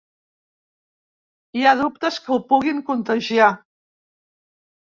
Hi ha dubtes que ho puguin contagiar.